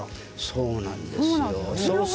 そうなんですよ。